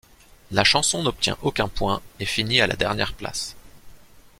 La chanson n'obtient aucun point et finit à la dernière place.